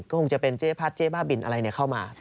ก็คงจะเป็นเจ๊พัดเจ๊บ้าบินอะไรเข้ามา